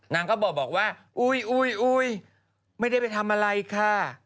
นางก็บอกว่าอุ้ยไม่ได้ไปทำอะไรค่ะ